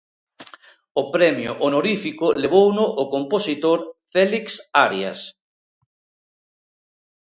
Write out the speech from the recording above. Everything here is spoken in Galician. O premio honorífico levouno o compositor Félix Arias.